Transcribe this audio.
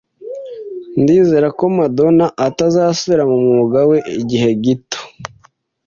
Ndizera ko Madonna atazasubira mu mwuga we igihe gito